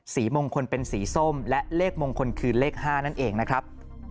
สีมงคลเป็นสีส้มและเลขมงคลคือเลข๕นั่นเองนะครับ